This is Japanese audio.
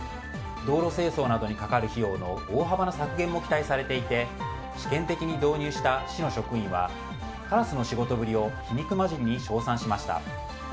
道路清掃などにかかる費用の大幅な削減も期待されていて試験的に導入した市の職員はカラスの仕事ぶりを皮肉交じりに賞賛しました。